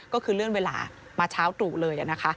ก็คือเลื่อนเวลามาเช้าตรู่เลยนะคะ